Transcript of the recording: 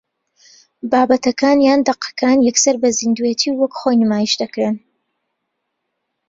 بابەتەکان یان دەقەکان یەکسەر بە زیندووێتی و وەک خۆی نمایش دەکرێن